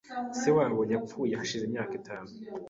Se wabo yapfuye hashize imyaka itanu .